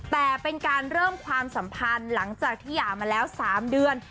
แต่เป็นการเริ่มความสัมพันธ์หลังจากที่หย่ามาแล้ว๓เดือน